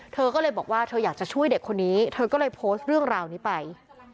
เธอก็เลยบอกว่าเธออยากจะช่วยเด็กคนนี้เธอก็เลยโพสต์เรื่องราวนี้ไป